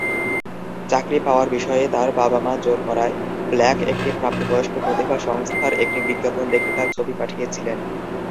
চাকরি পাওয়ার বিষয়ে তার বাবা-মা জোর করায়, ব্ল্যাক একটি প্রাপ্তবয়স্ক প্রতিভা সংস্থার একটি বিজ্ঞাপন দেখে তার ছবি পাঠিয়েছিলেন।